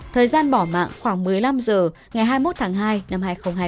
thời gian bỏ mạng khoảng một mươi năm h ngày hai mươi một tháng hai năm hai nghìn hai mươi